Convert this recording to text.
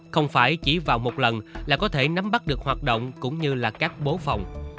không phải chỉ vào một lần là có thể nắm bắt được hoạt động cũng như là các bố phòng